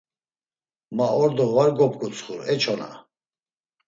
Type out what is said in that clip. Ma ordo var gop̌ǩutsxur e çona.